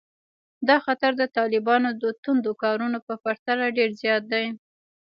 دا خطر د طالبانو د توندو کارونو په پرتله ډېر زیات دی